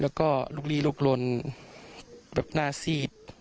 แล้วก็ลุกลีลุกลนแบบหน้าซีด